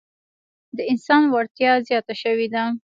د انسان وړتیا زیاته شوې ده.